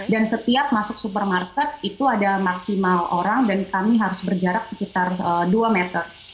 dan setiap masuk supermarket itu ada maksimal orang dan kami harus berjarak sekitar dua meter